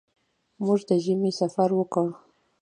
موږ د ژمي سفر وکړ.